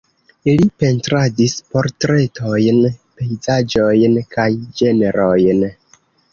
Li pentradis portretojn, pejzaĝojn kaj ĝenrojn.